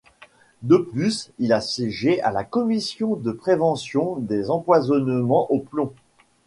De plus, il a siégé à la Commission de prévention des empoisonnements au plomb.